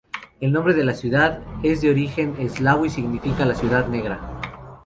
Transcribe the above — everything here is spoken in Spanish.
El nombre de la ciudad es de origen eslavo y significa "la ciudad negra".